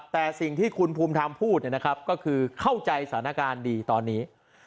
แต่สิ่งที่คุณภูมิธรรมพูดก็คือเข้าใจสถานการณ์ดีตอนนี้